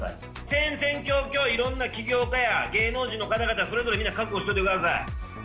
戦々恐々、いろんな起業家や芸能人の方々、それぞれ皆覚悟しておいてください。